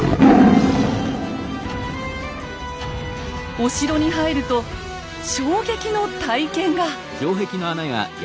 お城に入ると衝撃の体験が。